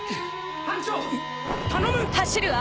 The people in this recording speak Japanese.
・班長！・頼む！